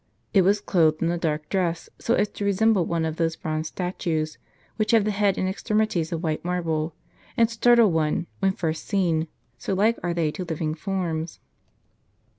It was clothed in a dark dress, so as to resemble one of those bronze statues, which have the head and extremities of white marble, and startle one, when first seen ; so like are they to living forms.